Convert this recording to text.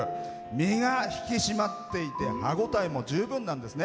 身が引き締まっていて歯応えも十分なんですね。